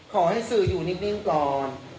ขอให้สื่ออยู่นิ่งก่อน